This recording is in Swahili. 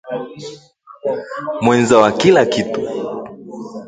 mweza wa kila kitu